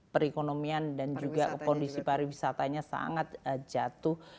perekonomian dan juga kondisi pariwisatanya sangat jatuh